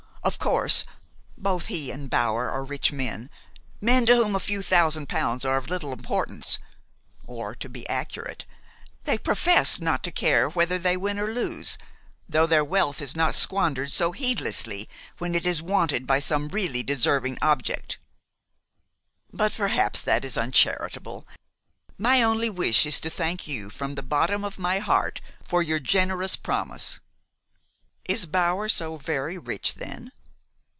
Of course, both he and Bower are rich men, men to whom a few thousand pounds are of little importance; or, to be accurate, they profess not to care whether they win or lose, though their wealth is not squandered so heedlessly when it is wanted for some really deserving object. But perhaps that is uncharitable. My only wish is to thank you from the bottom of my heart for your generous promise." "Is Bower so very rich then?